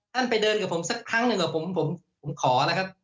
ไปเดินกับผมสักครั้งหนึ่งกับผมผมขอนะครับ